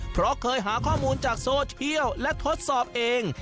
เพราะเคยหาข้อมูลจากโซเชียลและทดสอบเอง